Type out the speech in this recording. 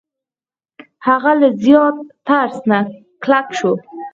هغه له زیات ترس نه کلک شو.